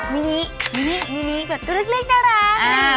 มินิมินีแบบตัวเล็กน่ารัก